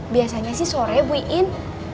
biasanya sih sore bu iin